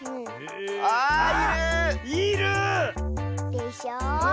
でしょ。